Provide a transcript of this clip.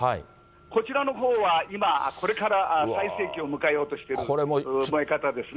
こちらのほうは今、これから最盛期を迎えようとしている燃え方ですね。